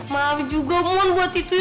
maaf juga mon buat itu ya